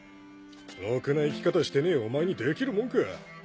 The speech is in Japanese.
ろくな生き方してねえお前にできるもんか。